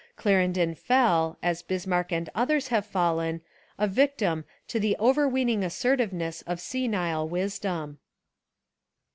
Clarendon fell, as Bismarck and others have fallen, a victim to the overweening assertlveness of senile wisdom.